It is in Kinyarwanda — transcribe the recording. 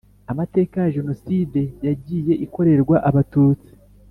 amateka ya jenoside yagiye ikorerwa abatutsi